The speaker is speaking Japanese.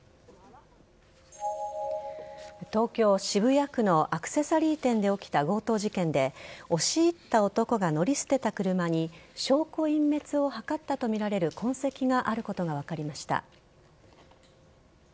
東京・渋谷区のアクセサリー店で起きた強盗事件で押し入った男が乗り捨てた車に証拠隠滅を図ったとみられる痕跡があることが分かりました。